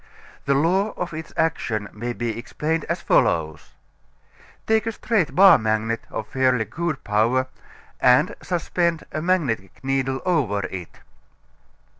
The law of its action may be explained as follows: Take a straight bar magnet of fairly good power and suspend a magnetic needle over it.